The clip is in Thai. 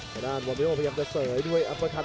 ข้างด้านหวังว่าพยายามจะเสยด้วยอัพพะทัน